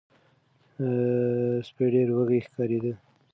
سپی ډیر وږی ښکاریده.